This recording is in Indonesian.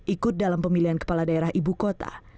ikut dalam pemilihan kepala daerah ibu kota